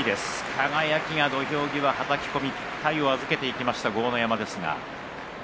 輝が土俵際、はたき込み体を預けていった豪ノ山です。